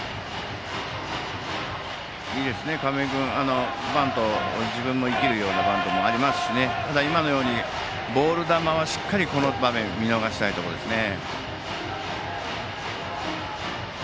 いいですね、亀井君自分が生きるようなバントもありますし今のようにボール球はしっかり、この場面見逃したいところですね。